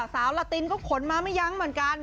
สาวลาตินก็ขนมาไม่ยั้งเหมือนกัน